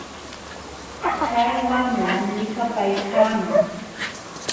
Chay wamlam likapaaykaaman.